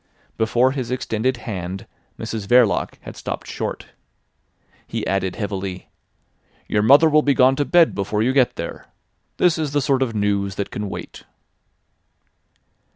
Before his extended hand Mrs Verloc had stopped short. He added heavily: "Your mother will be gone to bed before you get there. This is the sort of news that can wait."